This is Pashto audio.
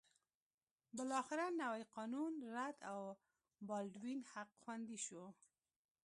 بالاخره نوی قانون رد او د بالډوین حق خوندي شو.